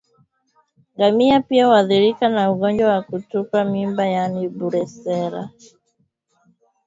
Ngamia pia huathirika na ugonjwa wa kutupa mimba yaani Brusela